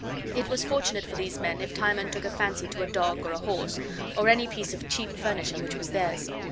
It was fortunate for these men if Timon took a fancy to a dog or a horse, or any piece of cheap furniture which was theirs.